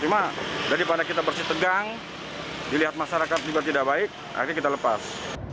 cuma daripada kita bersih tegang dilihat masyarakat juga tidak baik akhirnya kita lepas